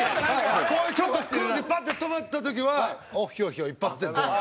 こういうちょっと空気パッて止まった時は「オッヒョッヒョ」一発でドン！